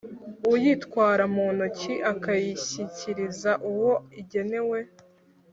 uyitwara mu ntoki akayishyikiriza uwo igenewe.